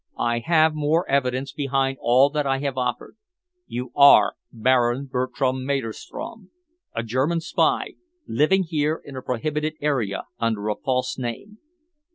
I have more evidence behind all that I have offered. You are Baron Bertram Maderstrom, a German spy, living here in a prohibited area under a false name.